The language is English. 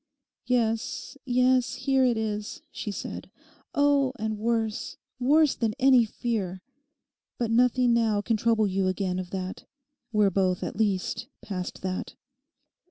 'Yes, yes, here it is,' she said, 'oh, and worse, worse than any fear. But nothing now can trouble you again of that. We're both at least past that.